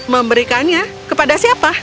memberikannya kepada siapa